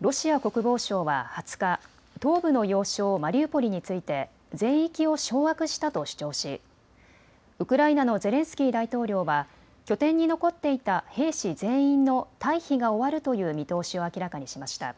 ロシア国防省は２０日東部の要衝マリウポリについて全域を掌握したと主張しウクライナのゼレンスキー大統領は拠点に残っていた兵士全員の退避が終わるという見通しを明らかにしました。